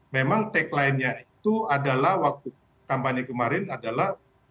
memang tagline nya itu adalah waktu kampanye kemarin adalah